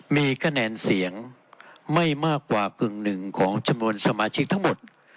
มีคะแนนเสียงไม่มากกว่ากึ่งหนึ่งของจำนวนสมาชิกทั้งหมด